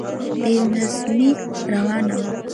بې نظمی روانه وه.